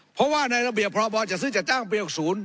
เพราะว่าในระเบียบพรบจัดซื้อจัดจ้างปี๖๐